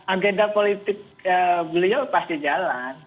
agenda politik beliau pasti jalan